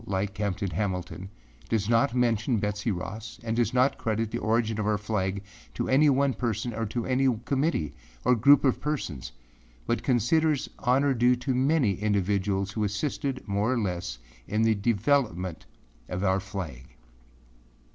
Sarmiento, like Captain Hamilton, does not mention Betsey Ross and does not credit the origin of our flag to any one person or to any committee, or group of persons, but considers honor due to many individuals who assisted, more or less, in the development of our flag.